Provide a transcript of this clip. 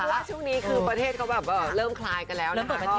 ว่าช่วงนี้ประเทศก็เริ่มคลายกันแล้ว